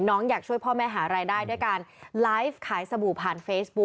อยากช่วยพ่อแม่หารายได้ด้วยการไลฟ์ขายสบู่ผ่านเฟซบุ๊